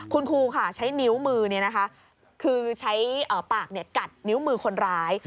คุณครูค่ะใช้นิ้วมือคือใช้ปากกัดนิ้วมือคนร้าย